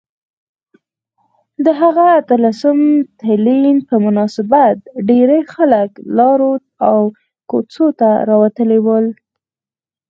د هغه اتلسم تلین په مناسبت ډیرۍ خلک لارو او کوڅو ته راوتلي ول